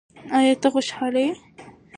ایا ته خوشاله یې؟